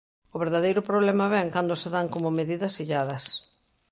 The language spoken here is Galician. O verdadeiro problema vén cando se dan como medidas illadas.